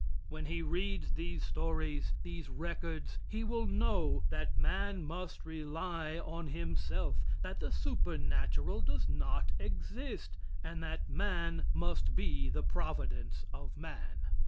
When he reads these stories, these records, he will know that man must rely on himself, that the supernatural does not exist, and that man must be the providence of man.